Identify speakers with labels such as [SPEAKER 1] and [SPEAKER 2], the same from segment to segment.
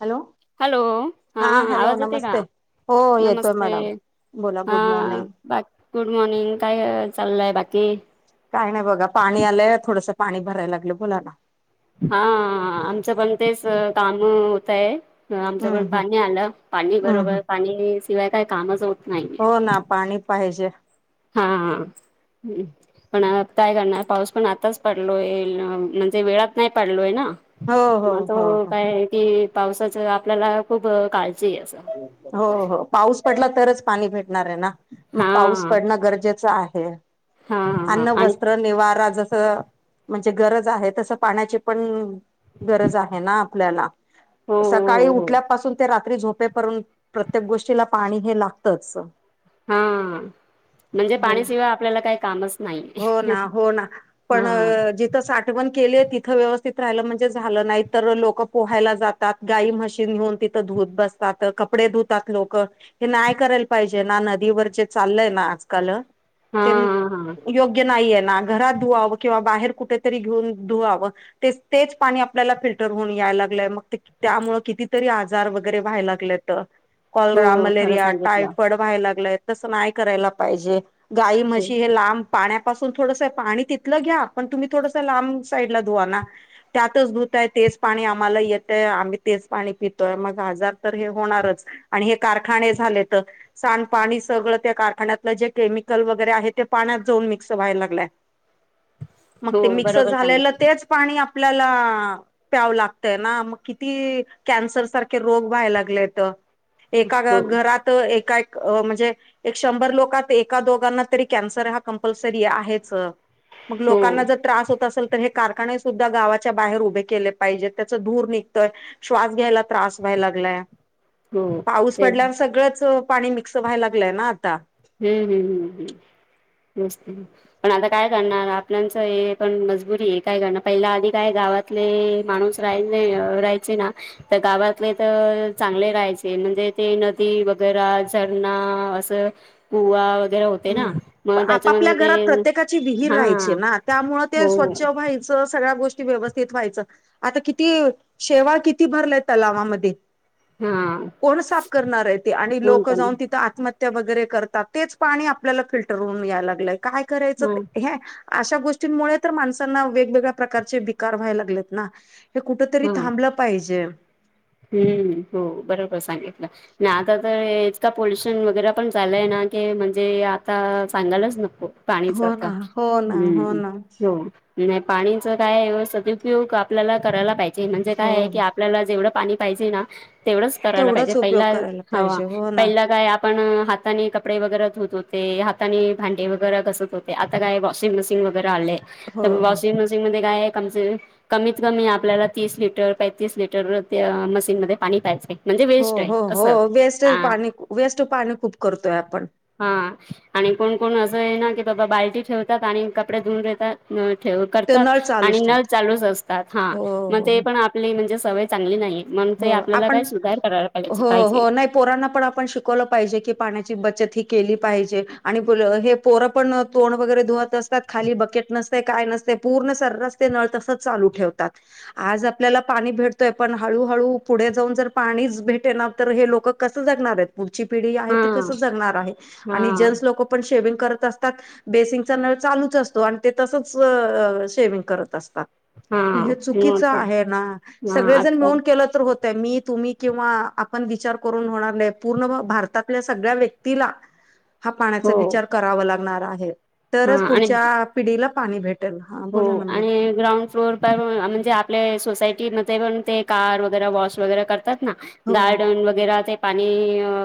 [SPEAKER 1] Hello.
[SPEAKER 2] Hello हा
[SPEAKER 1] hello
[SPEAKER 2] आवाज येते का.
[SPEAKER 1] नमस्ते हो येतोय
[SPEAKER 2] नमस्ते
[SPEAKER 1] मॅडम. बोला
[SPEAKER 2] हा
[SPEAKER 1] गुड मॉर्निंग
[SPEAKER 2] बाकी गुड मॉर्निंग काय चाललय बाकी.
[SPEAKER 1] काय नाही बघा पाणी आलंय थोडसं पाणी भरायला लागलं बोला ना.
[SPEAKER 2] हा आमचं पण तेच काम होतय. आमच्याकडून
[SPEAKER 1] हम्म हम्म
[SPEAKER 2] पाणी आलं पाणी
[SPEAKER 1] हम्म
[SPEAKER 2] बरोबर पाणी शिवाय काही कामच होत नाही.
[SPEAKER 1] हो ना पाणी पाहिजे.
[SPEAKER 2] हा हा. पण आत्ता काय करणार पाऊस पण आताच पडलोय म्हणजे वेळात नाही पडलोय ना.
[SPEAKER 1] हो हो
[SPEAKER 2] मग
[SPEAKER 1] हो
[SPEAKER 2] तो
[SPEAKER 1] हो
[SPEAKER 2] काय कि पावसाच आपल्याला खूप काळजी आहे असं.
[SPEAKER 1] हो हो पाऊस पडला तरच पाणी भेट नार मग
[SPEAKER 2] हा
[SPEAKER 1] पाऊस पडणं गरजेचं आहे.
[SPEAKER 2] हा हा
[SPEAKER 1] अन्न,
[SPEAKER 2] आणि
[SPEAKER 1] वस्त्र, निवारा जसं. म्हणजे गरज आहे तसं पाण्याची पण गरज आहे ना आपल्याला.
[SPEAKER 2] हो
[SPEAKER 1] सकाळी
[SPEAKER 2] हो हो
[SPEAKER 1] उठल्यापासून ते रात्री झोपे पर्यं प्रत्येक गोष्टीला पाणी हे लागतच.
[SPEAKER 2] हा म्हणजे
[SPEAKER 1] बोला
[SPEAKER 2] पाणीशिवाय आपल्याला काही कामच नाहीे.
[SPEAKER 1] हो पण. तिथं साठवण केली आहे तिथे व्यवस्थित राहिलं म्हणजे झालं नाही तर लोक पोहायला जात. तात गाई म्हशी नेहून तिथं धुत बसतात कपडे धुतात लोक. हे नाही करायला पाहिजे ना नदीवर जे चाललंय ना आजकाल
[SPEAKER 2] हा
[SPEAKER 1] ते
[SPEAKER 2] हा
[SPEAKER 1] योग्य ग्या नाहीये ना घरात धुवावं किंवा बाहेर कुठेतरी घेऊन धुवावं. तेच तेच पाणी आपल्याला फिल्टर होऊन यायला लागलंय मग ते. त्यामुळे कितीतरी आजार वगैरे व्हायला लागले
[SPEAKER 2] हो
[SPEAKER 1] कॅलरा
[SPEAKER 2] खरं
[SPEAKER 1] मलेरिया
[SPEAKER 2] सांगितलं
[SPEAKER 1] टायफड. व्हायला लागलय तस नाही करायला पाहिजे गाय
[SPEAKER 2] हो
[SPEAKER 1] म्हशी हे लांब. पाण्यापासून थोडस पाणी तिथलं घ्या पण तुम्ही थोडस लांब साईडला धुवा ना. त्यातच धुताय तेच पाणी आम्हाला येतंय आम्ही तेच पाणी पितोय मग आजार. तर हे होणारच आणि हे कारखाने झाले त. सांडपाणी सगळं त्या कारखान्यातलं जे केमिकल वगैरे आहे ते पाण्यात जाऊन मिक्स व्हायला लागलंय.
[SPEAKER 2] [inaudible]
[SPEAKER 1] मग
[SPEAKER 2] हो
[SPEAKER 1] ते मिक्सर
[SPEAKER 2] बरोबर
[SPEAKER 1] झालेल
[SPEAKER 2] सांगितलं
[SPEAKER 1] तेच. पाणी आपल्याला प्यावं लागतय ना मग किती कॅन्सर सारखे रोग. व्हायला लागल्यात एका घ
[SPEAKER 2] हो
[SPEAKER 1] घरात एका म्हणजे. एक शंभर लोकात एका दोघांना तरी कॅन्सर हा कंपल्सरी आहेच. मग
[SPEAKER 2] हो
[SPEAKER 1] लोकांना जर त्रास होत असेल. तर हे कारखाने सुद्धा गावाच्या बाहेर उभे केले पाहिजे त्याचं धूर निघतोय. श्वास घ्यायला त्रास व्हाय गलय
[SPEAKER 2] हो
[SPEAKER 1] पाऊस
[SPEAKER 2] ते
[SPEAKER 1] पडल्यावर सगळंच पाणी मिक्स व्हायला लागलंय ना आता.
[SPEAKER 2] हम्म हम्म हम्म हम्म तेच ते. पण आता काय करणार आपल्याचं हे पण मजबुरी आहे काय करणार पहिल आधी काय गावात. तिथले माणूस रा राहायचे ना. तर गावातले तर चांगले राहायचे म्हणजे ते नदी वगैरे झरणा असं. गुवा वगैरे होत.
[SPEAKER 1] हम्म आपापल्या घरात प्रत्येकाची विहीर
[SPEAKER 2] हा
[SPEAKER 1] राहायची ना त्यामुळे ते
[SPEAKER 2] हो
[SPEAKER 1] स्वच्छ व्हाय च सगळ्या गोष्टी व्यवस्थित व्हायचं आता किती शेवाळ किती भरलंय तलावामध्ये.
[SPEAKER 2] हा
[SPEAKER 1] कोण साफ करणार आहे ते, आणि
[SPEAKER 2] फोन
[SPEAKER 1] लोक
[SPEAKER 2] करणं
[SPEAKER 1] जाऊन तिथं आत्महत्या वगैरे करतात तेच. पाणी आपल्याला फिल्टर होऊन, यायला लागलंय काय करायचं
[SPEAKER 2] हा
[SPEAKER 1] ते हे. अशा गोष्टींमुळे तर माणसांना वेगवेगळ्या प्रकारचे विकार व्हायला लागलेत ना. हे कुठं तरी
[SPEAKER 2] हा
[SPEAKER 1] थांबलं पाहिजे.
[SPEAKER 2] हम्म. हो बरोबर सांगितलं. नाही आता तर इतका पोल्युशन वगैरे पण झालंय, ना की म्हणजे आता सांगायलाच नको. पाणीच
[SPEAKER 1] हो
[SPEAKER 2] आता
[SPEAKER 1] ना हो ना हो
[SPEAKER 2] हम्म
[SPEAKER 1] ना
[SPEAKER 2] हो. नाही पाणीच काय सदुपयोग आपल्याला करायला पाहिजे, म्हणजे
[SPEAKER 1] हो
[SPEAKER 2] काय आहे की आपल्याला जेवढं. पाणी पाहिजे ना, तेवढंच करायला पाहिजे.
[SPEAKER 1] तेवढाच उपयोग
[SPEAKER 2] पहिला
[SPEAKER 1] करायला
[SPEAKER 2] हा
[SPEAKER 1] पाहिजे हो ना
[SPEAKER 2] पहिला काय. आपण हाताने कपडे वगैरे धुत होते, हाताने भांडे वगैरे घसत होते. आता काय वॉशिंग मशीन वगैरे आले, तर
[SPEAKER 1] हो ह
[SPEAKER 2] वॉशिंग मशीन. बेसिंगमध्ये काय कमीत कमी आपल्याला, तीस लीटर काय तीस लीटर. त्या मशीनमध्ये पाणी प्यायचे.
[SPEAKER 1] हो... हो... हो वेस्ट पाणी वेस्ट, पाणी खूप करतोय आपण.
[SPEAKER 2] हा, आणि कोण कोण असं आहे ना, की बाबा बाल्टी ठेवतात आणि कपडे धुवून घेतात. नळ ठेव
[SPEAKER 1] ते
[SPEAKER 2] करतात,
[SPEAKER 1] नळ
[SPEAKER 2] आणि
[SPEAKER 1] चालूच
[SPEAKER 2] नळ
[SPEAKER 1] ठेवत
[SPEAKER 2] चालूच असतात, हा
[SPEAKER 1] हो
[SPEAKER 2] मग
[SPEAKER 1] हो
[SPEAKER 2] ते पण आपले म्हणजे सवय. चांगली नाही मग ते,
[SPEAKER 1] हो
[SPEAKER 2] आपल्याला
[SPEAKER 1] आपण
[SPEAKER 2] काय सुधार करायला
[SPEAKER 1] हो
[SPEAKER 2] पाहिजे.
[SPEAKER 1] हो नाही पोरांना पण आपण शिकवलं पाहिजे, की पाण्याची बचत ही केली पाहिजे. आणि हे पोरं पण तोंड वगैरे धुवत असतात, खाली बकेट नसते काय नसते पूर्ण सर्रास. ते नळ तसाच चालू ठेवतात. आज आपल्याला पाणी भेटतय पण हळू हळू पुढे जाऊन जर पाणीच भेटे ना, तर हे लोकं कसं जगणार आहेत. पुढची पिढी आहे
[SPEAKER 2] हा
[SPEAKER 1] ती कसं जगणार आहे,
[SPEAKER 2] हा
[SPEAKER 1] आणि जेंन्स लोक पण शेविंग करत असतात. बेसिंगचा नळ चालूच असतो, आणि ते तसच शेविंग करत असतात.
[SPEAKER 2] हा
[SPEAKER 1] मग हे चुकीचं आहे ना,
[SPEAKER 2] हा
[SPEAKER 1] सगळेजण
[SPEAKER 2] अच्छा
[SPEAKER 1] मिळून. केलं तर होतंय. मी तुम्ही किंवा आपण विचार करून होणार नाही, पूर्ण भारतातल्या सगळ्या व्यक्तीला.
[SPEAKER 2] [inaudible]
[SPEAKER 1] हा पाण्याचा
[SPEAKER 2] हो
[SPEAKER 1] विचार करावा लागणार आहे,
[SPEAKER 2] हा
[SPEAKER 1] तरचं
[SPEAKER 2] आणि
[SPEAKER 1] पुढच्या पिढीला पाणी भेट
[SPEAKER 2] हो आणि ग्राउंड फ्लोर. पण म्हणजे आपले सोसायटीमध्ये पण ते, कार वगैरे वॉश वगैरे करतात.
[SPEAKER 1] हो
[SPEAKER 2] गार्डन वगैरा ते पाणी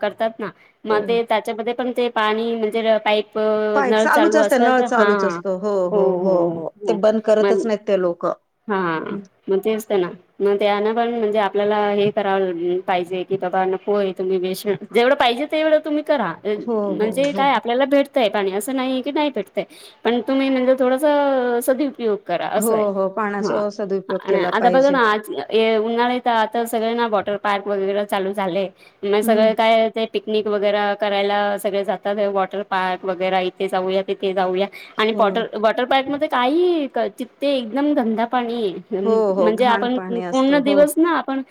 [SPEAKER 2] करतात ना,
[SPEAKER 1] हो
[SPEAKER 2] मग ते त्यांच्यामध्ये पण ते. पाणी म्हणजे र पाईप.
[SPEAKER 1] पाईप
[SPEAKER 2] नळ
[SPEAKER 1] चालूच
[SPEAKER 2] चालू
[SPEAKER 1] असत,
[SPEAKER 2] असतात
[SPEAKER 1] नळ
[SPEAKER 2] हा
[SPEAKER 1] चालूच असतो. हो. हो. हो. हो. ते बंद करतच नाहीत ते लोक.
[SPEAKER 2] हा,
[SPEAKER 1] हो
[SPEAKER 2] मग तेच तेना. मग त्यांना पण म्हणजे आपल्याला हे, कराव पाहिजे की बाबा नकोय तुम्ही बेश जेवढं पाहिजे तेवढं तुम्ही करा,
[SPEAKER 1] हो
[SPEAKER 2] म्हणजे
[SPEAKER 1] हो
[SPEAKER 2] काय आपल्याला भेट तेय पाणी असं नाही की, नाही भेटतय पण तुम्ही म्हणजे थोडंसं सदी उपयोग करा असं
[SPEAKER 1] हो
[SPEAKER 2] आहे.
[SPEAKER 1] हो
[SPEAKER 2] हा,.
[SPEAKER 1] पाण्याचा सदुपयोग केला
[SPEAKER 2] आता बघा
[SPEAKER 1] पाहिजे
[SPEAKER 2] आज. हे उन्हाळ्यात आता सगळे ना, वॉटर पार्क वगैरे चालू झाले मग
[SPEAKER 1] हम्म
[SPEAKER 2] सगळे काय. ते पिकनिक वगैरे करायला सगळे जातात, वॉटर पार्क वगैरे इथे जाऊया तिथे जाऊया. आणि
[SPEAKER 1] हो
[SPEAKER 2] पॉटर वॉटर पार्क मध्ये काय ही, तिथे एकदम गंदा पाणी ये.
[SPEAKER 1] हो हो
[SPEAKER 2] म्हणजे
[SPEAKER 1] घाण
[SPEAKER 2] आपण
[SPEAKER 1] पाणी
[SPEAKER 2] पूर्ण
[SPEAKER 1] असतो हो
[SPEAKER 2] दिवस ना आपण.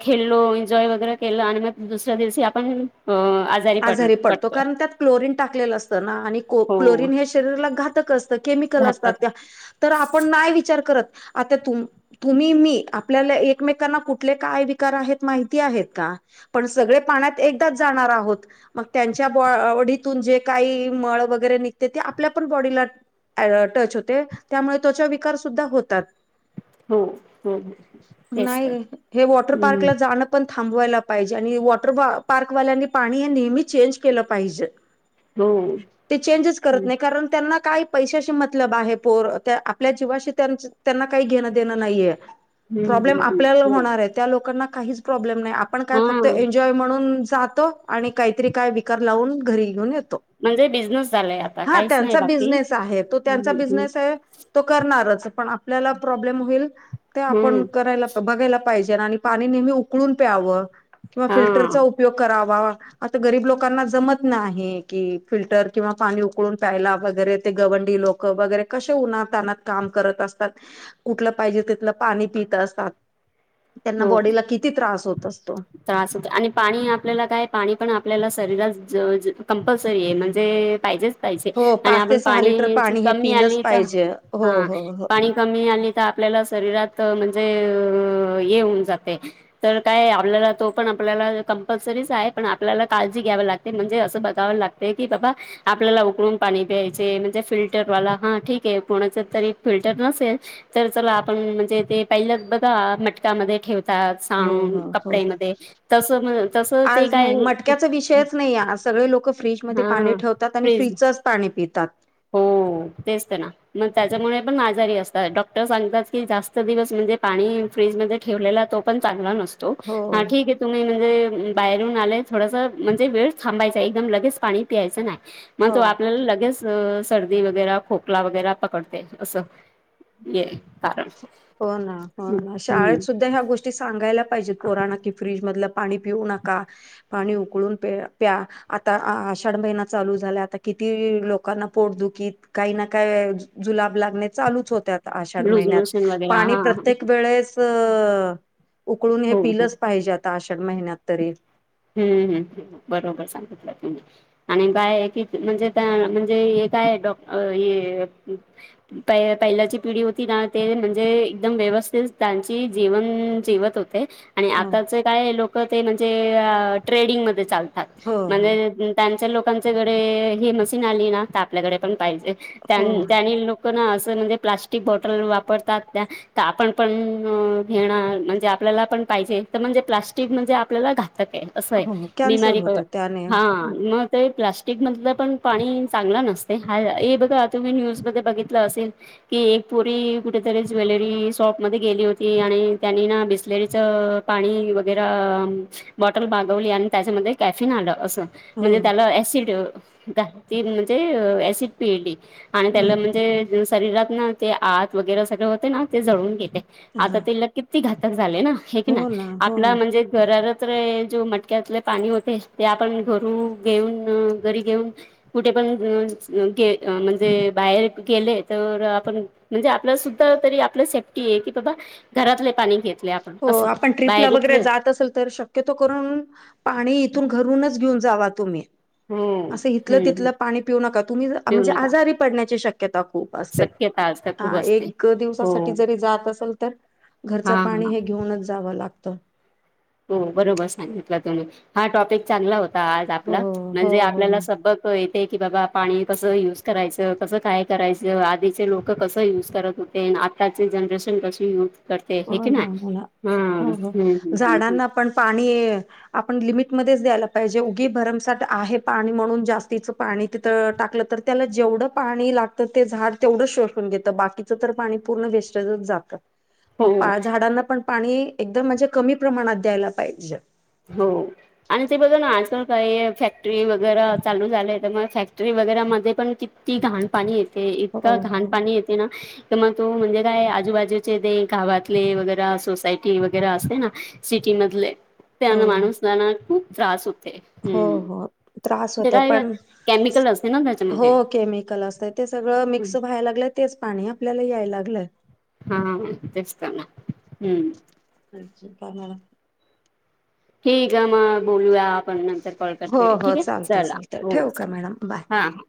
[SPEAKER 2] खेळलो एन्जॉय वगैरे केलं, आणि मग दुसऱ्या दिवशी आपण.
[SPEAKER 1] आजारी पडतो कारण, त्यात क्लोरीन टाकलेलं असतं ना, आणि
[SPEAKER 2] हो
[SPEAKER 1] क्लोरीन हे शरीरला घातक असत. केमिकल असतात
[SPEAKER 2] घातक
[SPEAKER 1] त्या, तर आपण नाही विचार करत आता तुम्ह तुम्ही मी आपल्याला एकमेकांना कुठले. काय विकार आहेत माहिती आहेत का? पण सगळे पाण्यात एकदाच जाणार आहोत. मग त्यांच्या बॉडीतून जे, काही मळ वगैरे निघते ते आपल्या पण बॉडीला. अ.. टच होते, त्यामुळे त्वचा विकार सुद्धा होतात.
[SPEAKER 2] हो हो तेच
[SPEAKER 1] नाही
[SPEAKER 2] तर
[SPEAKER 1] गं हे, वॉटर
[SPEAKER 2] हम्म
[SPEAKER 1] पार्कला जाणं. पण थांबवायला पाहिजे, आणि वॉटर पार्कवाल्यांनी पाणी हे नेहमी चेंज केलं पाहिजे.
[SPEAKER 2] हो
[SPEAKER 1] ते चेंजच करत
[SPEAKER 2] हम्म
[SPEAKER 1] नाही कारण त्यांना काय पैशाशी मतलब आहे पोर त्या आपल्या जीवाशी त्यांना काही घेणं देणं नाहीये.
[SPEAKER 2] हम्म
[SPEAKER 1] प्रॉब्लेम
[SPEAKER 2] हम्म
[SPEAKER 1] आपल्याला
[SPEAKER 2] हो
[SPEAKER 1] होणार आहेत. त्या लोकांना काहीच प्रॉब्लेम नाही आपण काय
[SPEAKER 2] हा
[SPEAKER 1] फक्त एन्जॉय म्हणून जातो आणि काहीतरी काय विकार लावून घरी घेऊन येतो.
[SPEAKER 2] म्हणजे बिझनेस झालाय आता
[SPEAKER 1] हा
[SPEAKER 2] काहीच नाही
[SPEAKER 1] त्यांचा
[SPEAKER 2] बाकी
[SPEAKER 1] बिजनेस आहे तो त्यांचा
[SPEAKER 2] हम्म हम्म
[SPEAKER 1] बिझनेस आहे तो करणारच पण आपल्याला प्रॉब्लेम होईल ते आपण
[SPEAKER 2] हम्म
[SPEAKER 1] करायला बघायला पाहिजे न आणि पाणी नेहमी उकळून प्यावं किंवा
[SPEAKER 2] हा
[SPEAKER 1] फिल्टरचा उपयोग करावा आता गरीब लोकांना जमत नाही कि फिल्टर किंवा पाणी उकळून प्यायला वगैरे ते गवंडी लोक क वगैरे कशे उना तानात काम करत असतात कुठलं पाहिजे तिथलं पाणी पीत असतात त्यांना
[SPEAKER 2] हो
[SPEAKER 1] बॉडीला किती त्रास होत असतो.
[SPEAKER 2] त्रास होतो आणि पाणी आपल्याला काय पाणी पण आपल्याला शरीरात ज ज कंपल्सरी आहे म्हणजे पाहिजेच पाहिजे
[SPEAKER 1] हो
[SPEAKER 2] आणि
[SPEAKER 1] पाच ते
[SPEAKER 2] आपण
[SPEAKER 1] सहा लिटर
[SPEAKER 2] पाणीची
[SPEAKER 1] पाणी हे
[SPEAKER 2] कमी
[SPEAKER 1] पिलंच
[SPEAKER 2] आली तर
[SPEAKER 1] पाहिजे हो
[SPEAKER 2] हा
[SPEAKER 1] हो हो
[SPEAKER 2] पाणी कमी आली तर आपल्याला शरीरात म्हणजे हे होऊन जाते. तर काय आपल्याला तो पण आपल्याला कंपल्सरीच आहे पण आपल्याला काळजी घ्यावी लागते म्हणजे असं बघाव लाग ते की बाबा. आपल्याला उकळून पाणी प्यायचे म्हणजे फिल्टरवाला हा ठीके कोणाच तरी फिल्टर नसेल च चला आपण म्हणजे ते पहिलंच बघा मटकामध्ये ठेवतो ता
[SPEAKER 1] हो
[SPEAKER 2] सांग
[SPEAKER 1] हो हो
[SPEAKER 2] कपड्यांमध्ये तस म तस ते
[SPEAKER 1] आज
[SPEAKER 2] काय
[SPEAKER 1] नाही मटक्याचा विषयच नाही आज सगळे लोक फ्रीजमध्ये पाणी
[SPEAKER 2] हा
[SPEAKER 1] ठेवतात आणि
[SPEAKER 2] फ्रीज
[SPEAKER 1] फ्रीजचंच पाणी पितात.
[SPEAKER 2] हो तेच ते ना. मग त्याच्यामुळे पण आजारी असतात डॉक्टर सांगतात की जास्त दिवस म्हणजे पाणी फ्रीजमध्ये ठेवलेला तो पण चगला नसतो
[SPEAKER 1] हो.
[SPEAKER 2] हा ठीक ये तुम्ही म्हणजे बाहेरून आले थोडस म्हणजे वेळ थांबायचा एकदम लगेच पाणी प्यायचं नाही. मग
[SPEAKER 1] हो.
[SPEAKER 2] तो आपल्याला लगेच सर्दी वगैर खोकला वगैरे पकडते असं. जे काढ [unintelligible]
[SPEAKER 1] हो ना हो ना शाळेत सुद्धा ह्या गोष्टी टी सांगायला पाहिजे पोराना की फ्रीज मधल पाणी पिऊ नका पाणी उकळून प प्या. आता आषाढ महिना चालू झाला आता किती लोकांना पोटदुखीत काही ना काही जुलाब लागणे चालूच होते आता आषाढ
[SPEAKER 2] लूज
[SPEAKER 1] महिन्यात
[SPEAKER 2] मोशन वगैरे
[SPEAKER 1] पाणी
[SPEAKER 2] हा
[SPEAKER 1] प्रत्येक वेळेस त उकळून हे
[SPEAKER 2] हो हो
[SPEAKER 1] पिलंच पाहिजे आता आषाढ महिन्यात तरी.
[SPEAKER 2] हम्म हम्म हम्म बरोबर सांगितलं तुम्ही. आणि काय की म्हणजे म्हणजे हे काय डॉक हे प पहिल्याची पिढी होती ना ते म्हणजे एकदम व्यवस्थित त्यांची जीवन जीवत होते. आणि
[SPEAKER 1] हो
[SPEAKER 2] आताच काय लोक ते म्हणजे ट्रेडिंगमध्ये चालतायेत
[SPEAKER 1] हो
[SPEAKER 2] म्हणजे त्यांच्या लोकांच्याकडे ही मशीन आली ना तर आपल्याकडे पण पाहिजे त्या
[SPEAKER 1] हो
[SPEAKER 2] त्यांनी लोक असं म्हणजे प्लास्टिक बॉटल वापरतात त्या तर आपण पण घेणार म्हणजे आपल्याला पण पाहिजे म्हणजे प्लास्टिक म्हणजे आपल्याला घा तक ये असं आहे
[SPEAKER 1] हो
[SPEAKER 2] [unintelligible]
[SPEAKER 1] कॅन्सर
[SPEAKER 2] बीमारी
[SPEAKER 1] होतं त्याने
[SPEAKER 2] हा
[SPEAKER 1] हो
[SPEAKER 2] मग तर प्लास्टिक मधलं पण पाणी चांगलं नसते हा हे बघा तुम्ही न्यूजमध्ये बघितलं असेल की एक पोरी कुठेतरी ज्वेलरी शॉपमध्ये गेली होती आणि त्यांनी ना बिस्लेरीच पाणी वगैरा बॉटल मागवली आणि त्याच्यामध्ये कॅफिन आलं असं म्हणजे त्याला ॲसिड ती म्हणजे ऍसिड पीएडी आणि
[SPEAKER 1] हो
[SPEAKER 2] त्याला म्हणजे शरीरात ना ते आत वगैरे सगळ होते ना ते जळून गेले
[SPEAKER 1] हा,
[SPEAKER 2] आता तीला किती घातक झाले ना हे की नाही
[SPEAKER 1] हो ना हो
[SPEAKER 2] आपला
[SPEAKER 1] ना
[SPEAKER 2] म्हणजे घरार सगळे जो मटक्यातले पाणी होते ते आपण घरू घेऊन घरी घेऊन कुठे पण ग म्हणजे बाहेर गेले तर आपण म्हणजे आपल्या सुद्धा तरी आपलं सेफ्टी आहे की बाबा घरातले पाणी घेत
[SPEAKER 1] हो आपण ट्रीपला वगैरे जात असल तर श क्यतो करून पाणी इथून घरूनच घेऊन जावा तुम्ही.
[SPEAKER 2] हो
[SPEAKER 1] असं इथलं
[SPEAKER 2] हम्म
[SPEAKER 1] तिथलं पाणी पिऊ नका तुम्ही
[SPEAKER 2] पिऊ
[SPEAKER 1] म्हणजे
[SPEAKER 2] नका
[SPEAKER 1] आजारी पडण्याची शक्य ता खूप असतेत
[SPEAKER 2] शक्यता आजकाल खूप
[SPEAKER 1] हा
[SPEAKER 2] असते
[SPEAKER 1] एक दिवसा
[SPEAKER 2] हो
[SPEAKER 1] साठी जरी जात असाल तर घरचं
[SPEAKER 2] हा हा
[SPEAKER 1] पाणी हे घेऊनच जावं लागतं.
[SPEAKER 2] हो बरोबर सांगितलं तुम्ही हा टॉपिक चांगला होता आज
[SPEAKER 1] हो
[SPEAKER 2] आपला.
[SPEAKER 1] हो
[SPEAKER 2] म्हणजे
[SPEAKER 1] हो
[SPEAKER 2] आपल्याला
[SPEAKER 1] मा-
[SPEAKER 2] सगळं इथे की बाबा पाणी कसं युज करायचं कसं काय करायचं आधीचे लोक कसं युज करत हो आताचे जनरेशन कशी युज करते हे
[SPEAKER 1] हो
[SPEAKER 2] की
[SPEAKER 1] ना
[SPEAKER 2] नाही हम हम्!
[SPEAKER 1] त्यांना पण पाणी पण लिमिटमध्येच द्यायला पाहिजे, उगी भरमसाट आहे पाणी म्हणून जास्तीच पाणी तिथं टाकलं तर त्याला जेवढं पाणी लागतं ते झाड तेवढं शोषून घेतं बाकीचं तर पाणी पूर्ण वेस्टेजच जातं.
[SPEAKER 2] हो
[SPEAKER 1] मग झाडांना पण पाणी एकदम म्हणजे कमी प्रमाणात द्यायला पाहिजे.
[SPEAKER 2] हो! आणि ते बघ ना आजकाल काही फॅक्टरी वगैरे चालू झालय तर मग फॅक्टरी वगैरे मध्ये पण ती घाण पाणी येते
[SPEAKER 1] हो
[SPEAKER 2] इतकां घाण
[SPEAKER 1] हो
[SPEAKER 2] पाणी येते ना तर मग तो म्हणजे काय आजूबाजूचे ते गावातले वगैरे सोसायटी वगैरे असते ना सिटी मधले
[SPEAKER 1] हो
[SPEAKER 2] त्यानं माणूसाला ना खूप त्रास होते.
[SPEAKER 1] हो
[SPEAKER 2] हम्म
[SPEAKER 1] हो त्रास होतय पण!
[SPEAKER 2] नसते ना
[SPEAKER 1] हो
[SPEAKER 2] त्याच्यामध्ये
[SPEAKER 1] केमिकल असतय ते सगळं मिक्स व्हाय लागलेत. तेच पाणी आपल्याला याय लागलंय.
[SPEAKER 2] हा तेस्तना हम्म!
[SPEAKER 1] प्रमाणा
[SPEAKER 2] ठीक आहे मग बोलूया आपण नंतर कॉल
[SPEAKER 1] हो
[SPEAKER 2] करते
[SPEAKER 1] हो
[SPEAKER 2] ठीक आहे
[SPEAKER 1] चालतय
[SPEAKER 2] चला
[SPEAKER 1] चालतय
[SPEAKER 2] हो
[SPEAKER 1] ठेवू का मॅडम बाय
[SPEAKER 2] चाला हां हां.